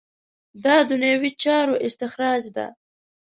دا دنیوي چارو استخراج ده.